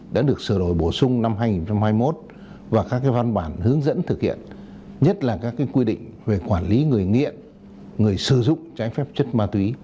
đã được sửa đổi bổ sung năm hai nghìn hai mươi một và các văn bản hướng dẫn thực hiện nhất là các quy định về quản lý người nghiện người sử dụng trái phép chất ma túy